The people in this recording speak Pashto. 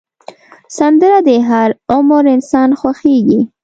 سندره د هر عمر انسان خوښېږي